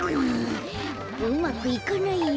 うまくいかないよ。